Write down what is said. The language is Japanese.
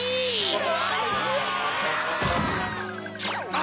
あ！